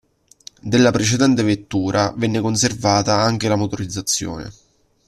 Della precedente vettura venne conservata anche la motorizzazione.